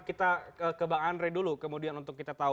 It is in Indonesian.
kita ke bang andre dulu kemudian untuk kita tahu